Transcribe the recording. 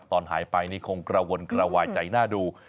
ตอนหายไปนี่คงกระวนกระวายใจหน้าดู